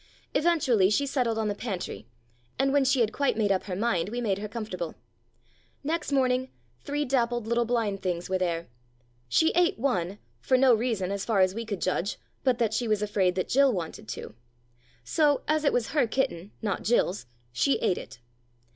Eventually she settled on the pantry, and when she had quite made up her mind we made her comfortable. Next morning three dappled little blind things were there. She ate one, for no reason, as far as we could judge, but that she was afraid that Jill wanted to. So, as it was her kitten, not Jill's, she ate it.